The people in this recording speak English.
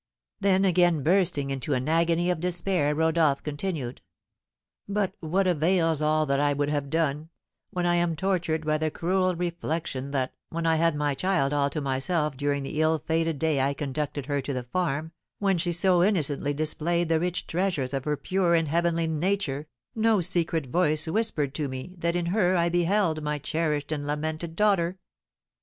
Then, again bursting into an agony of despair, Rodolph continued: "But what avails all that I would have done, when I am tortured by the cruel reflection that, when I had my child all to myself during the ill fated day I conducted her to the farm, when she so innocently displayed the rich treasures of her pure and heavenly nature, no secret voice whispered to me that in her I beheld my cherished and lamented daughter?